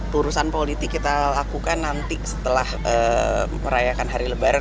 urusan politik kita lakukan nanti setelah merayakan hari lebaran